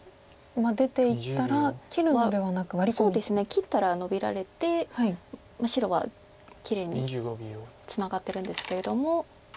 切ったらノビられて白はきれいにツナがってるんですけれども。